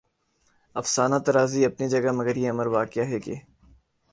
افسانہ طرازی اپنی جگہ مگر یہ امر واقعہ ہے کہ